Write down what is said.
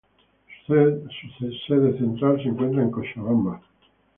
Su sede central se encuentra en Cochabamba